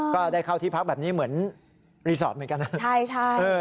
ก็ได้เข้าที่พักแบบนี้เหมือนรีสอร์ทเหมือนกันนะใช่ใช่